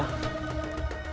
berusaha berapa ya